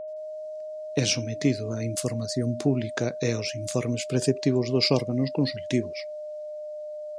E sometido a información pública e aos informes preceptivos dos órganos consultivos.